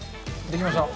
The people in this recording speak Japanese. できました。